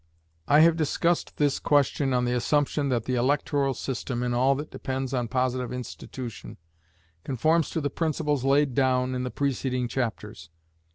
I have discussed this question on the assumption that the electoral system, in all that depends on positive institution, conforms to the principles laid down in the preceding chapters.